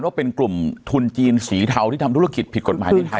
ว่าเป็นกลุ่มทุนจีนสีเทาที่ทำธุรกิจผิดกฎหมายในไทย